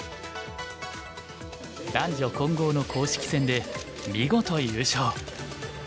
男女混合の公式戦で見事優勝。